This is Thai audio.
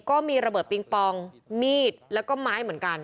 ก็มีระเบิดปิงปองมีดแล้วก็ไม้เหมือนกัน